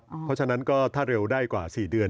เพราะฉะนั้นก็ถ้าเร็วได้กว่า๔เดือน